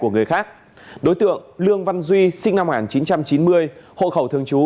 của người khác đối tượng lương văn duy sinh năm một nghìn chín trăm chín mươi hộ khẩu thường trú